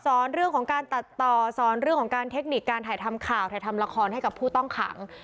เรื่องของการตัดต่อสอนเรื่องของการเทคนิคการถ่ายทำข่าวถ่ายทำละครให้กับผู้ต้องขัง